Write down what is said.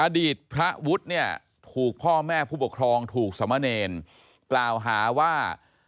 อดีตพระวุฒิเนี่ยถูกพ่อแม่ผู้ปกครองถูกสมเนรกล่าวหาว่า